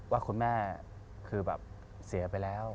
ว่าคุณแม่คือแบบเสียไปแล้ว